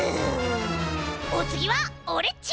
おつぎはオレっち。